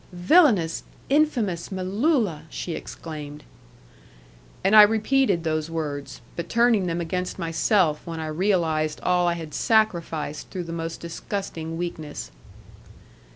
"Villainous, infamous Melulla!" she exclaimed. And I repeated those words, but turning them against myself when I realized all I had sacrificed through the most disgusting weakness.